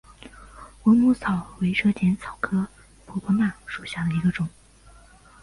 蚊母草为车前草科婆婆纳属下的一个种。